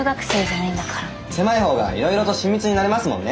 狭い方がいろいろと親密になれますもんね。